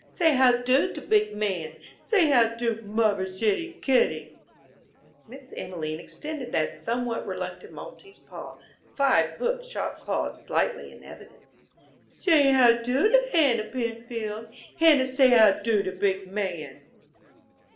Say how do to big man. Say how do, muvver's ittie kittie." Miss Emelene extended the somewhat reluctant Maltese paw, five hook shaped claws slightly in evidence. "Say how do to Hanna, Penfield. Hanna, say how do to big man."